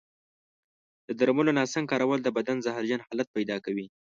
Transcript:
د درملو ناسم کارول د بدن زهرجن حالت پیدا کوي.